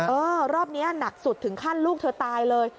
รอบนี้หนักสุดถึงขั้นลูกเธอตายเลย